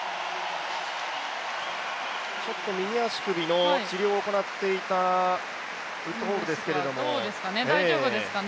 ちょっと右足首の治療を行っていたウッドホールですけれども。